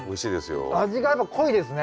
味がやっぱ濃いですね。